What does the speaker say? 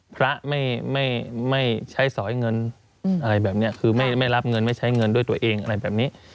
พระไม่ใช้สอยเงินอะไรแบบนี้คือไม่รับเงินไม่ใช้เงินด้วยตัวเองอะไรแบบนี้